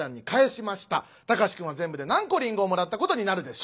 タカシ君は全部で何個リンゴをもらったことになるでしょう？